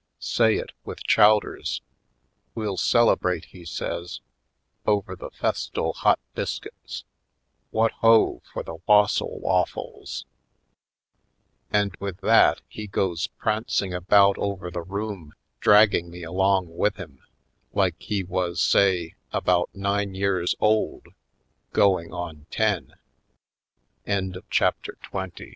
Say it with chowders! We'll celebrate," he says, "over the festal hot biscuits! What, ho, for the wassail waffles!" And with that he goes prancing about over the room dragging me along with him, like he was, say, about nine ye